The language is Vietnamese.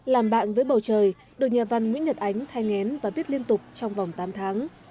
làm bạn với bầu trời được nhà văn nguyễn nhật ánh thay ngén và viết liên tục trong vòng tám tháng